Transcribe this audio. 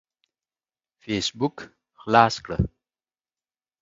فيسبوک خلاص کړه.